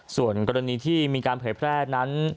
ส่วนกรณีที่มีการเผยแพร่นั้น